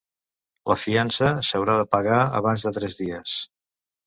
La fiança s'haurà de pagar abans de tres dies